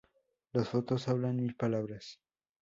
Las fotos hablan mil palabras.